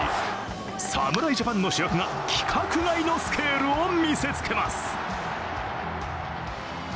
侍ジャパンの主役が規格外のスケールを見せつけます。